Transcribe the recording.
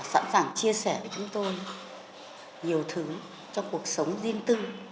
sẵn sàng chia sẻ với chúng tôi nhiều thứ trong cuộc sống riêng tư